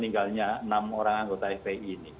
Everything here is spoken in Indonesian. tinggalnya enam orang anggota fpi ini